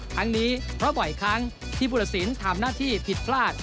ครั้งนี้เพราะบ่อยครั้งที่บุรสินทำหน้าที่ผิดพลาด